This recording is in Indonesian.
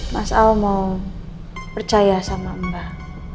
mas al mau percaya sama mbah